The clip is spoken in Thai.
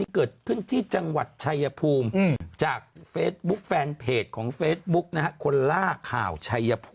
ก่อนคนที่อยู่ทางบ้านเขาน่ากลัวกว่าหรอก